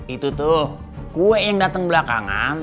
itu tuh kue yang datang belakangan